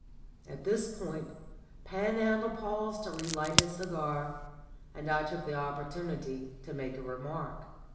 At this point Panhandle paused to relight his cigar, and I took the opportunity to make a remark.